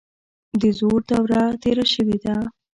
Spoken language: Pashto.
د زور دوره تیره شوې ده.